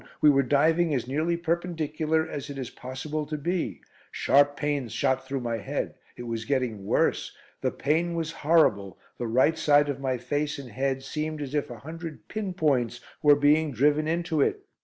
We were diving as nearly perpendicular as it is possible to be. Sharp pains shot through my head. It was getting worse. The pain was horrible. The right side of my face and head seemed as if a hundred pin points were being driven into it.